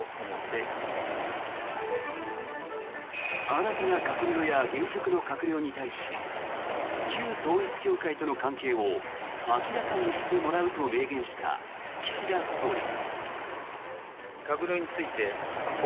新たな閣僚や現職の閣僚に対し旧統一教会との関係を明らかにしてもらうと明言した岸田総理。